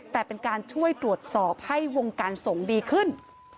แต่เป็นการช่วยตรวจสอบให้วงการสงฆ์ดีขึ้น